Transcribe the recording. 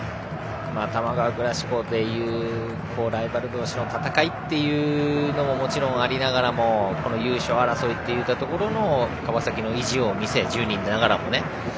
多摩川クラシコというライバル同士の戦いというのももちろんありながらも優勝争いといったところの川崎の意地を見せ１０人ながらもね。